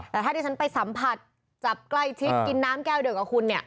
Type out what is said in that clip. แต่ถ้าที่ฉันไปสัมผัสจับใกล้ชิดกินน้ำแก้วเดียวกับคุณเนี่ย